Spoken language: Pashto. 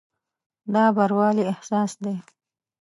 دا بروالي احساس دی.